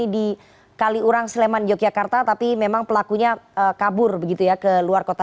di kaliurang sleman yogyakarta tapi memang pelakunya kabur begitu ya ke luar kota